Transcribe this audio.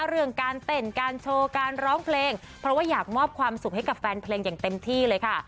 เรื่องการเต้นการโชว์การร้องเพลงเพราะว่าอยากมอบความสุขให้กับแฟนเพลงอย่างเต็มที่เลยค่ะ